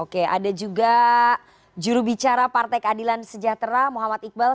oke ada juga jurubicara partai keadilan sejahtera muhammad iqbal